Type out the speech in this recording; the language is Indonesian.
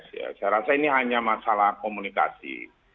saya rasa ini hanya masalah komunikasi